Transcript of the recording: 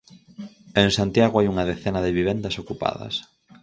En Santiago hai unha decena de vivendas ocupadas.